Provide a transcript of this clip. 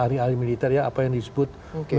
ahli ahli militer ya apa yang disebut